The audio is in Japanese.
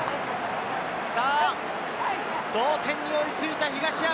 同点に追いついた東山。